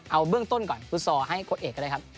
เอาเบื้องต้นก่อนฟุตซอลให้โค้ดเอกก็ได้ครับ